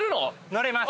乗れます。